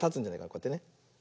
こうやってね。